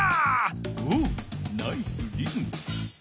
おうナイスリズム。